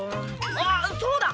あっそうだ！